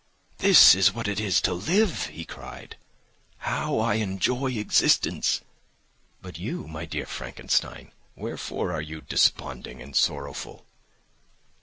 "This is what it is to live," he cried; "now I enjoy existence! But you, my dear Frankenstein, wherefore are you desponding and sorrowful!"